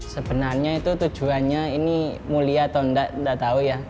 sebenarnya itu tujuannya ini mulia atau enggak enggak tahu ya